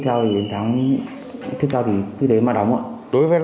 hãy đăng ký kênh để nh envelope bức tư nhopharth